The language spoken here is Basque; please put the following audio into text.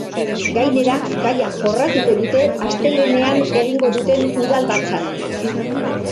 Gainera, gaia jorratuko dute astelehenean egingo duten udalbatzan.